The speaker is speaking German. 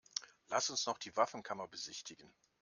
Lass uns noch die Waffenkammer besichtigen.